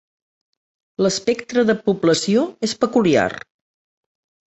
L'espectre de població és peculiar.